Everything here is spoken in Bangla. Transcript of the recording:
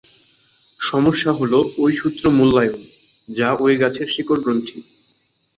সমস্যা হল ঐ সূত্র মূল্যায়ন, যা ঐ গাছের শিকড় গ্রন্থি।